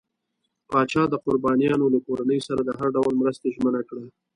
پاچا د قربانيانو له کورنۍ سره د هر ډول مرستې ژمنه کړه.